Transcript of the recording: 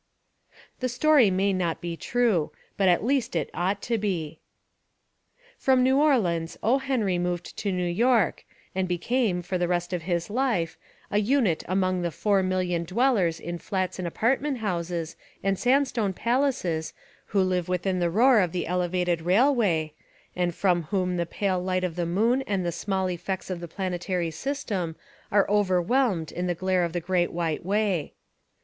The story may not be true. But at least it ought to be. From New Orleans O. Henry moved to New York and became, for the rest of his life, a unit among the "four million" dwellers in flats and apartment houses and sand stone palaces who live within the roar of the elevated railway, 245 Essays and Literary Studies and from whom the pale light of the moon and the small effects of the planetary system are overwhelmed in the glare of the Great White Way.